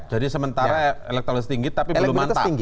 jadi sementara elektrolis tinggi tapi belum mantap